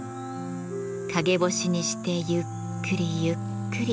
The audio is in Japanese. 陰干しにしてゆっくりゆっくり。